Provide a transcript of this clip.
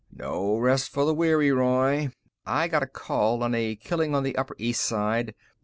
"No rest for the weary, Roy. I got a call on a killing on the Upper East Side.